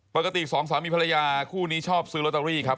ปกติสองสามีภรรยาคู่นี้ชอบซื้อลอตเตอรี่ครับ